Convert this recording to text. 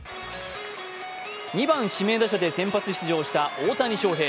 ２番・指名打者で先発出場した大谷翔平。